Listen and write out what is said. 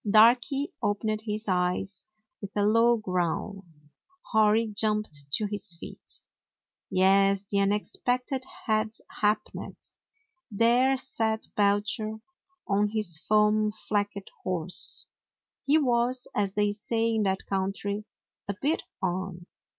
Darky opened his eyes with a low growl. Hori jumped to his feet. Yes, the unexpected had happened. There sat Belcher on his foam flecked horse. He was, as they say in that country, "a bit on."